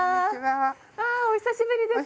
あお久しぶりです。